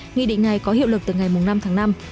nghị định này có hiệu lực từ ngày năm tháng năm